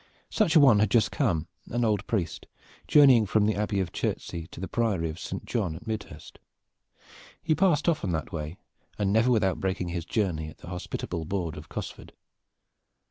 Such a one had just come, an old priest, journeying from the Abbey of Chertsey to the Priory of Saint John at Midhurst. He passed often that way, and never without breaking his journey at the hospitable board of Cosford.